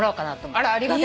あらありがとう。